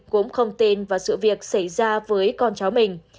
cũng không tin vào sự việc xảy ra với con cháu mình